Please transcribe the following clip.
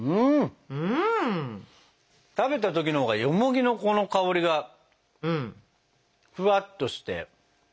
食べた時のほうがよもぎのこの香りがフワッとして。